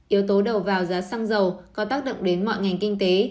yếu tố đầu vào giá xăng dầu có tác động đến mọi ngành kinh tế